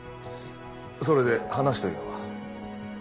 それで話というのは？